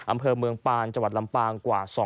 อำเพิ่มเมืองปาลจวัดลำปาง